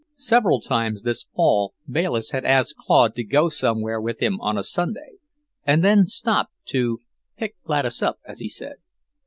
Several times this fall Bayliss had asked Claude to go somewhere with him on a Sunday, and then stopped to "pick Gladys up," as he said.